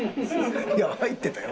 いや入ってたよ。